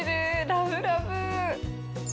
ラブラブ。